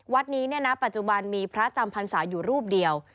วัดนี้เนี่ยนะปัจจุบันมีพระจำพันศาอยู่รูปเดียว